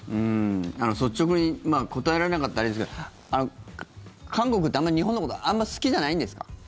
率直に答えられなかったらあれですけど韓国って日本のことあんまり好きじゃないんですか？